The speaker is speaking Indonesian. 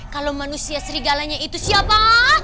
kalau manusia serigalanya itu siapa